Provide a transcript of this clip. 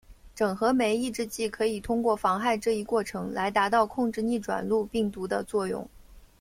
整合酶抑制剂可以通过妨害这一过程来达到控制逆转录病毒的作用。